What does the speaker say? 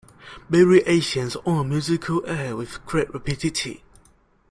Variations on a musical air With great rapidity.